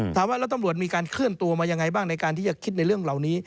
ถามว่าแล้วตำรวจมีการเคลื่อนตัวมายังไงบ้างในการที่จะคิดในเรื่องเหล่านี้